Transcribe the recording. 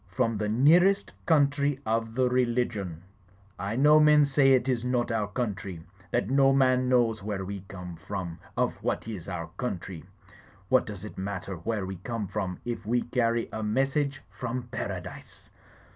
From the near est country of the Religion ! I know men say it is not our country ; that no man knows where we come from, of what is our country. What does it matter where we come from if we carry a message from Paradise?